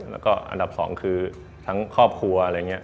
แล้วก็อันดับ๒คือทั้งครอบครัวอะไรอย่างนี้